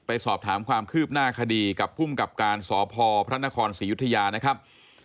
ไปสอบถามความคืบหน้าคดีกับภูมิกับการสพพระนครศรียุธยานะครับ